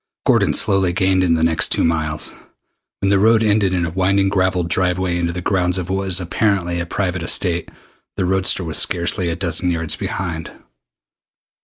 Gordon slowly gained in the next two miles. When the road ended in a winding gravelled driveway into the grounds of what was apparently a private estate, the roadster was scarcely a dozen yards behind.